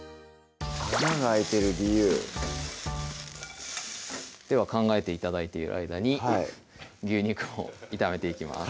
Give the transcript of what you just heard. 穴があいてる理由では考えて頂いている間に牛肉を炒めていきます